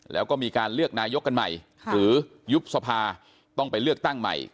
แล้วก็มีการเลือกนายกกันใหม่หรือยุบสภาต้องไปเลือกตั้งใหม่